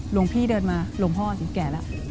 หลวงพี่เดินมาหลวงพ่อถึงแก่แล้ว